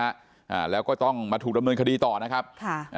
อ่าแล้วก็ต้องมาถูกดำเนินคดีต่อนะครับค่ะอ่า